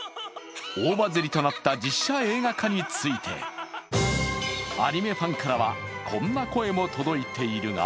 大バズりとなった実写映画化について、アニメファンからは、こんな声も届いているが